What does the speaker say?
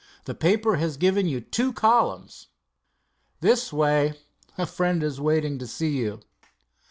The paper has given you two columns. This way. A friend waiting to see you."